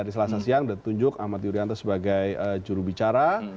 hari selasa siang ditunjuk ahmad yurianto sebagai jurubicara